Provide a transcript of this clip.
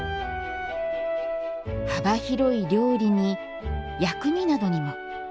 幅広い料理に、薬味などにも。